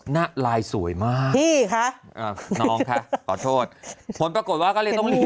หน้าลายสวยมากพี่คะน้องคะขอโทษผลปรากฏว่าก็เลยต้องรีบ